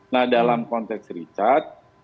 nah dalam konteks richard